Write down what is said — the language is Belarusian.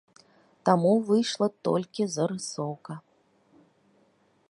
Таму выйшла толькі зарысоўка.